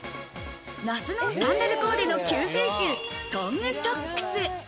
夏のサンダルコーデの救世主・トングソックス。